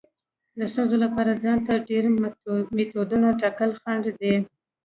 د ستونزې لپاره ځان ته ډیر میتودونه ټاکل خنډ دی.